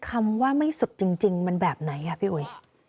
คำว่าไม่สุดจริงมันแบบไหนค่ะพี่อุ๋ย